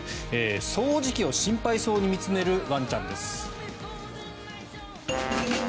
掃除機を心配そうに見つめるワンちゃんです。